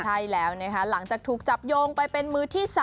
ใช่แล้วนะคะหลังจากถูกจับโยงไปเป็นมือที่๓